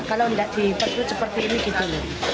kalau tidak diperlukan seperti ini gitu loh